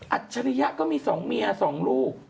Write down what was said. อัจฉริยะก็มีสองเมียสองลูก